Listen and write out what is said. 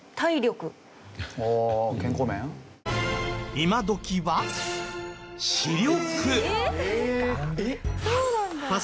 今どきは視力。